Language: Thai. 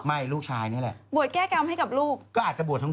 อ้าวเดี๋ยวคือคุณแม่บวชเหรอ